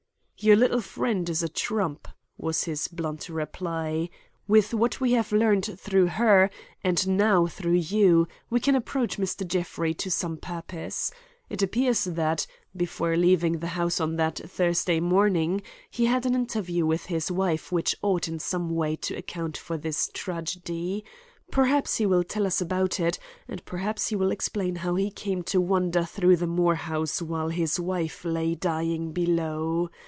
"Your little friend is a trump," was his blunt reply. "With what we have learned through her and now through you, we can approach Mr. Jeffrey to some purpose. It appears that, before leaving the house on that Tuesday morning, he had an interview with his wife which ought in some way to account for this tragedy. Perhaps he will tell us about it, and perhaps he will explain how he came to wander through the Moore house while his wife lay dying below.